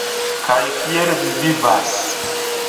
Kaj kiel vi vivas?